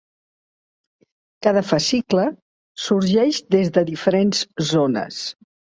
Cada fascicle sorgeix des de diferents zones.